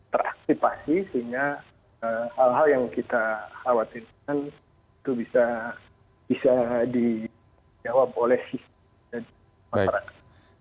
teraktifasi sehingga hal hal yang kita khawatirkan itu bisa dijawab oleh masyarakat